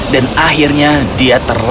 dan akhirnya dia terburu buru